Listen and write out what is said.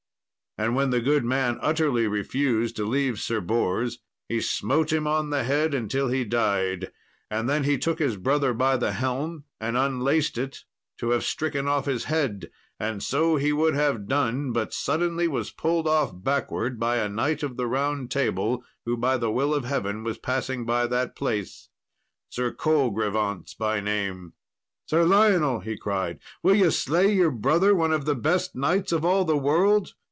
And when the good man utterly refused to leave Sir Bors, he smote him on the head until he died, and then he took his brother by the helm and unlaced it, to have stricken off his head, and so he would have done, but suddenly was pulled off backwards by a knight of the Round Table, who, by the will of Heaven, was passing by that place Sir Colgrevance by name. "Sir Lionel," he cried, "will ye slay your brother, one of the best knights of all the world?